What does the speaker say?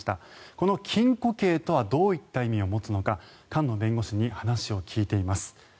この禁錮刑とはどういった意味を持つのか菅野弁護士に話を聞いています。